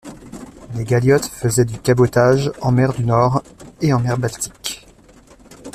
Les galiotes faisaient du cabotage en Mer du Nord et en mer Baltique.